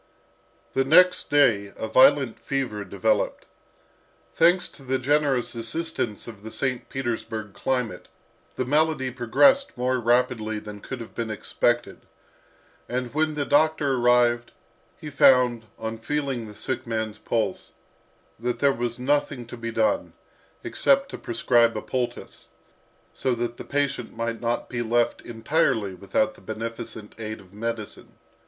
The next day a violent fever developed. Thanks to the generous assistance of the St. Petersburg climate, the malady progressed more rapidly than could have been expected, and when the doctor arrived, he found, on feeling the sick man's pulse, that there was nothing to be done, except to prescribe a poultice, so that the patient might not be left entirely without the beneficent aid of medicine.